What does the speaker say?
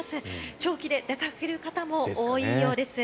長期で出かける方も多いようです。